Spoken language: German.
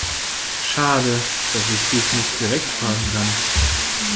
Schade, dass ich dich nicht direkt fragen kann.